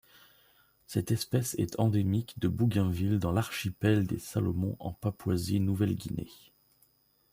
Cette espèce est endémique de Bougainville dans l'archipel des Salomon en Papouasie-Nouvelle-Guinée.